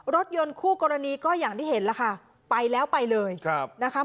รถยนต์คู่กรณีก็อย่างที่เห็นแล้วค่ะไปแล้วไปเลยครับนะคะ